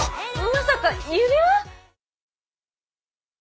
まさか指輪！？